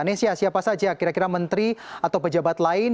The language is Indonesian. nesya siapa saja kira kira menteri atau pejabat lain